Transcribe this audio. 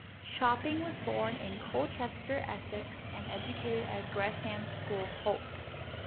Chopping was born in Colchester, Essex and educated at Gresham's School, Holt.